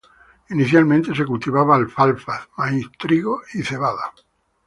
Inicialmente se cultivaba alfalfa, maíz, trigo y cebada.